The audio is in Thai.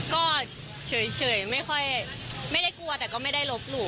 ก็เฉยไม่ค่อยไม่ได้กลัวแต่ก็ไม่ได้ลบหลู่